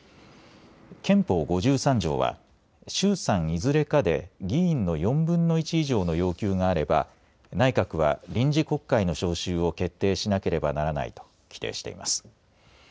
憲法５３条は衆参いずれかで議員の４分の１以上の要求があれば内閣は臨時国会の召集を決定しなければならないと規定しています。